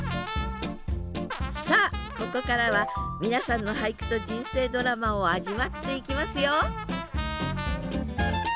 さあここからは皆さんの俳句と人生ドラマを味わっていきますよ